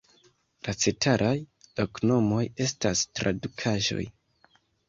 La ceteraj loknomoj estas tradukaĵoj.